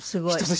はい。